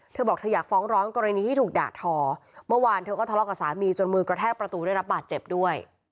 เธอบอกเธออยากฟ้องร้องกรณีที่ถูกด่าทอเมื่อวานเธอก็ทะเลาะกับสามีจนมือกระแทกประตูได้รับบาดเจ็บด้วย